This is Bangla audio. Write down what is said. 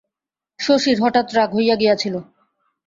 শশীর হঠাৎ রাগ হইয়া গিয়াছিল।